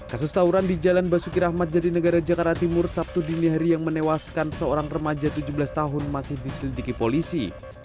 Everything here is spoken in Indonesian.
kasus tauran di jalan basuki rahmat jari negara jakarta timur sabtu dini hari yang menewaskan seorang remaja tujuh belas tahun masih diselidiki polisi